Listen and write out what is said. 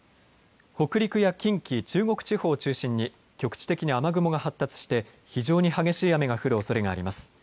北陸や近畿、中国地方を中心に局地的に雨雲が発達して非常に激しい雨が降るおそれがあります。